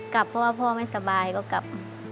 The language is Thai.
กลับพอพ่อไม่สบายก็กลับ